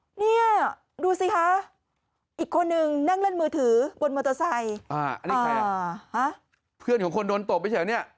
อันนี้ใครล่ะเพื่อนของคนโดนตบไปใช่ไหมเนี่ย